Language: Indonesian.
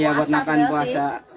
iya buat makan puasa